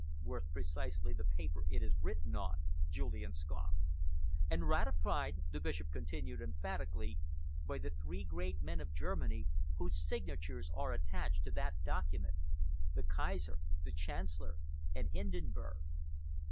"Worth precisely the paper it is written on?" Julian scoffed. "And ratified," the Bishop continued emphatically, "by the three great men of Germany, whose signatures are attached to that document the Kaiser, the Chancellor and Hindenburg."